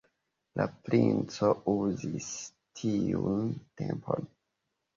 La princo uzis tiun tempon.